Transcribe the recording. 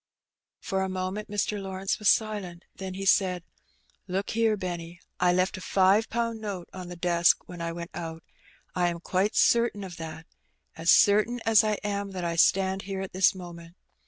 For a moment Mr. Lawrence was silent, then he said —" Look here, Benny. T left a five pound note on the desk when I went out. I am quite certain of that — as certain as I am that I stand here at this moment.